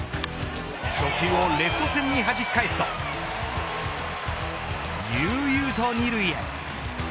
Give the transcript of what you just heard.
初球をレフト線にはじき返すと悠々と２塁へ。